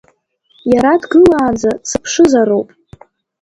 Иара дгылаанӡа сыԥшызароуп.